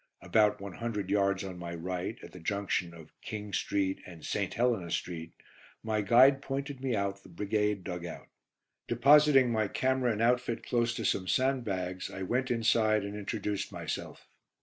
About one hundred yards on my right, at the junction of "King Street" and "St. Helena Street," my guide pointed me out the Brigade dug out. Depositing my camera and outfit close to some sandbags I went inside and introduced myself.